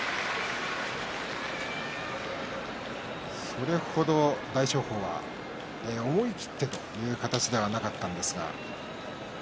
それ程、大翔鵬は思い切ってという形ではありませんでした。